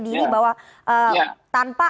diri bahwa tanpa